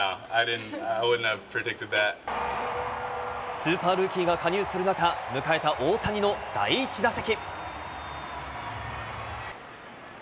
スーパールーキーが加入する中、迎えた大谷の第１打席。